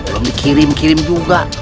belum dikirim kirim juga